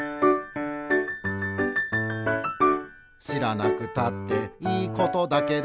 「しらなくたっていいことだけど」